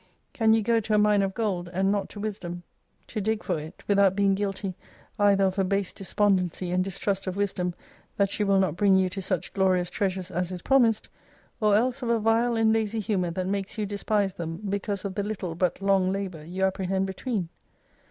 Can you go to a mine of gold, and not to wisdom, 243 (to dig for it) without being guilty, either of a base despondency and distrust of wisdom that she will not bring you to such glorious treasures as is promised ; or else of a vile and lazy humour that makes you despise them, because of the little but long labour you appre hend between